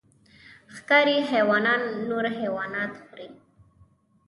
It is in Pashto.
ښکاري حیوانات نور حیوانات خوري